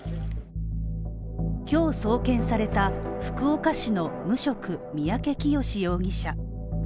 今日送検された福岡市の無職三宅潔容疑者。